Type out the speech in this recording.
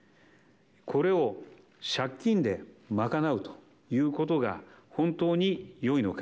これを借金で賄うということが本当によいのか。